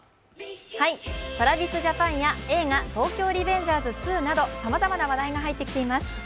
ＴｒａｖｉｓＪａｐａｎや映画「東京リベンジャーズ２」などさまざまな話題が入ってきています。